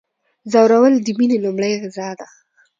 ځورول د میني لومړنۍ غذا ده.